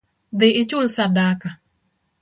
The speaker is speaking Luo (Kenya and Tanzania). Dhii ichul sadaka